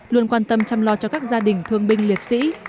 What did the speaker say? luôn quan tâm chăm lo cho các gia đình thương binh liệt sĩ